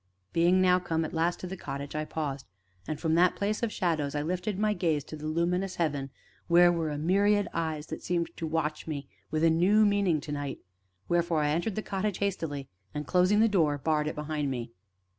Being come at last to the cottage, I paused, and from that place of shadows lifted my gaze to the luminous heaven, where were a myriad eyes that seemed to watch me with a new meaning, to night; wherefore I entered the cottage hastily, and, closing the door, barred it behind me.